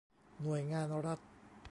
หน่วยงานรัฐ